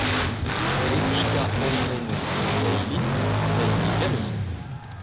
Ifecka umḍinen s teqbaylit, d ayen igerrzen!